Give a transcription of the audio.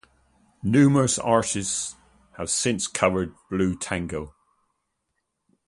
Numerous artists have since covered "Blue Tango".